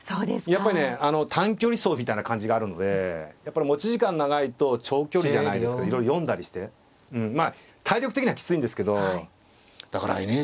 やっぱりね短距離走みたいな感じがあるのでやっぱり持ち時間長いと長距離じゃないですけどいろいろ読んだりしてまあ体力的にはきついんですけどだからＮＨＫ杯でここ最近の深浦さんの活躍ってのはすごい。